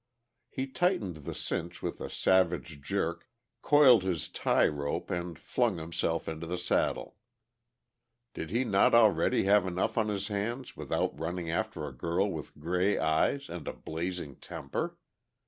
He tightened the cinch with a savage jerk, coiled his tie rope and flung himself into the saddle. Did he not already have enough on his hands without running after a girl with grey eyes and a blazing temper?